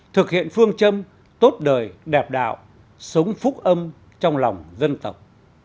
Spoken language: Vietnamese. thực hiện phương châm tốt đời đẹp đạo sống phúc âm trong lòng dân tộc